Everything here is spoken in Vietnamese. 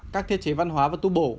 các thiết chế văn hóa và tu bổ